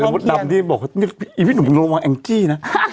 หนูเข้าใจละมดดำนี่บอกว่านี่พี่หนุ่มละวังแองจี้นะ